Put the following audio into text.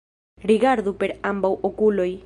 Rigardu per ambaŭ okuloj!